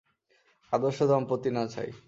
আদর্শ দম্পতি না ছাই!